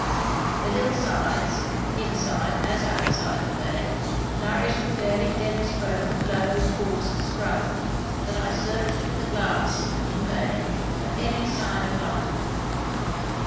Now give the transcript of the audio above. The hill sides, inside as outside the bay, nourished a fairly dense growth of low, coarse scrub, that I searched with the glass, in vain, for any sign of life.